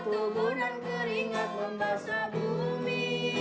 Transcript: belum pun tubuh dan keringat membasah bumi